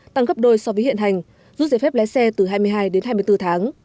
tăng gấp đôi so với hiện hành rút giấy phép lái xe từ hai mươi hai đến hai mươi bốn tháng